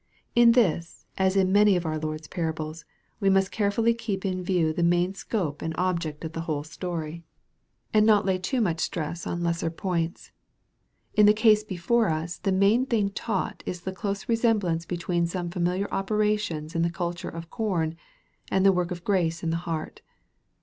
In this, as in many of our Lord's parables, we must carefully keep in view the main scope and object of the whole story, and MARK, CHAP. IV. 73 not lay too much stress on lesser points. In the case be fore us the main thing taught is the close resemblance between some familiar operations in the culture of corn, and the work of grace in the heart.